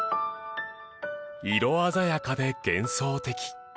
色鮮やかで幻想的。